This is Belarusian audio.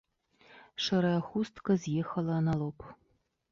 Шэрая хустка з'ехала на лоб.